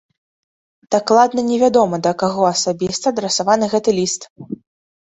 Дакладна невядома да каго асабіста адрасаваны гэты ліст.